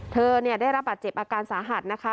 ได้รับบาดเจ็บอาการสาหัสนะคะ